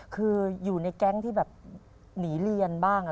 คืออยู่ในแก๊งที่แบบหนีเรียนบ้าง